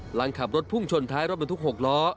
หลังขับรถพุ่งชนท้ายรถบรรทุก๖ล้อ